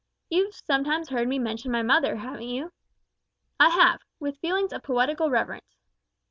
You've sometimes heard me mention my mother, haven't you?" "I have with feelings of poetical reverence," answered Pax.